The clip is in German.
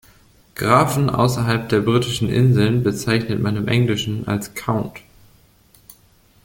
Grafen außerhalb der britischen Inseln bezeichnet man im Englischen als „Count“.